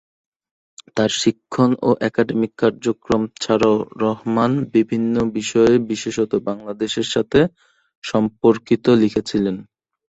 তার শিক্ষণ ও একাডেমিক কার্যক্রম ছাড়াও রহমান বিভিন্ন বিষয়ে বিশেষত বাংলাদেশের সাথে সম্পর্কিত লিখেছিলেন।